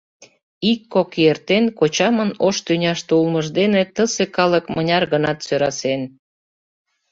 Ик-кок ий эртен, кочамын ош тӱняште улмыж дене тысе калык мыняр гынат сӧрасен.